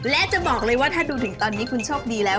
และจะบอกเลยว่าถ้าดูถึงตอนนี้คุณโชคดีแล้ว